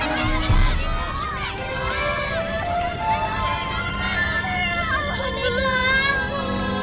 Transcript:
aku bener aku